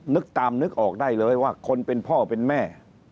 นึกตามนึกออกได้เลยว่าคนเป็นพ่อเป็นแม่